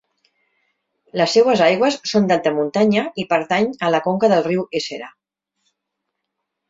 Les seues aigües són d'alta muntanya i pertany a la conca del riu Éssera.